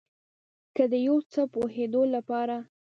که د یو څه پوهیدلو لپاره